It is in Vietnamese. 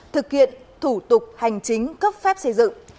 thực hiện thủ tục hành chính cấp phép xây dựng